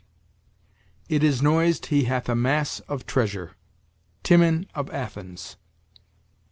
"It is noised, he hath a mass of treasure." Timon of Athens.